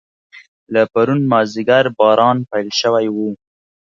له پرون مازیګر باران پیل شوی و.